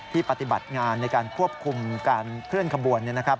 ปฏิบัติงานในการควบคุมการเคลื่อนขบวน